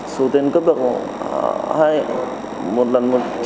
số tiền cấp được